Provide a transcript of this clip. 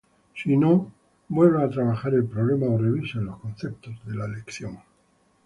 Si no, vuelva a trabajar el problema o revise los conceptos de la lección.